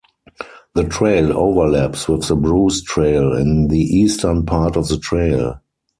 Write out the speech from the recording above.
The trail overlaps with the Bruce Trail in the eastern part of the trail.